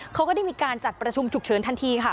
เขาก็ได้มีการจัดประชุมฉุกเฉินทันทีค่ะ